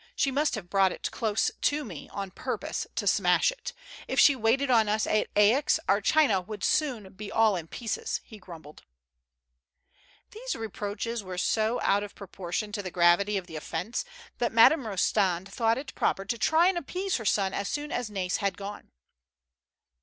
She must have brought it close to me on purpose to smash it. If she waited on us at Aix our china would soon be all in pieces," he grumbled. These reproaches were so out of proportion to the gravity of the offence, that Madame Kostand thought FREDERIC AND NAYs. 125 proper to try and appease her son as soon as Nais had gone.